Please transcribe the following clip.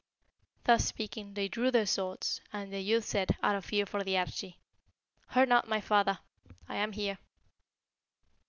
Thus speaking, they drew their swords; and the youth said, out of fear for the Arschi, 'Hurt not my father; I am here.'